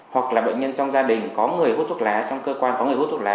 hoặc là bệnh nhân trong gia đình có người hút thuốc lá trong cơ quan có người hút thuốc lá